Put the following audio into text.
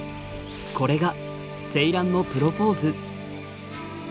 これがセイランのプロポーズ。